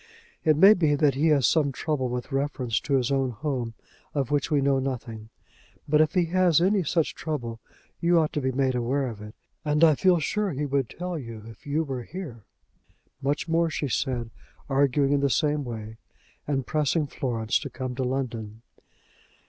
It may be that he has some trouble with reference to his own home, of which we know nothing. But if he has any such trouble, you ought to be made aware of it, and I feel sure that he would tell you if you were here." Much more she said, arguing in the same way, and pressing Florence to come to London.